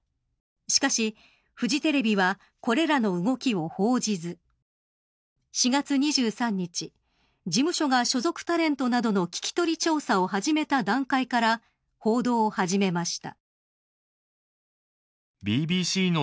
しかし、フジテレビはこれらの動きを報じず４月２３日、事務所が所属タレントなどの聞き取り調査を始めた段階から報道を始めました。